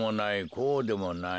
こうでもない。